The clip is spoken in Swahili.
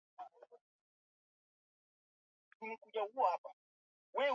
Debby alimshukuru Jacob na kumuuliza akiona ulimi itasaidia nini